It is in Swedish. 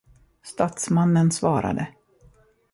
Statsmannen svarade.